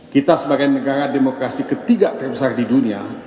kita sebagai negara demokrasi ketiga terbesar di dunia